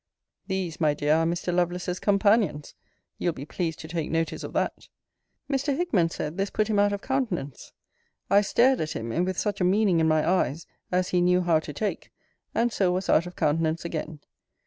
These, my dear, are Mr. Lovelace's companions: you'll be pleased to take notice of that! Mr. Hickman said, this put him out of countenance. I stared at him, and with such a meaning in my eyes, as he knew how to take; and so was out of countenance again.